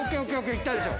いったでしょ。